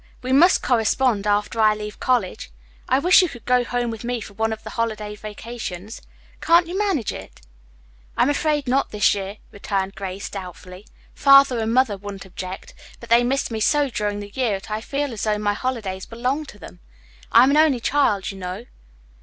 "We must correspond after I leave college. I wish you could go home with me for one of the holiday vacations. Can't you manage it?" "I am afraid not this year," returned Grace doubtfully. "Father and Mother wouldn't object, but they miss me so during the year that I feel as though my holidays belonged to them. I am an only child, you know."